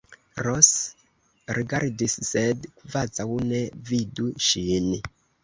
Ros rigardis, sed kvazaŭ ne vidus ŝin.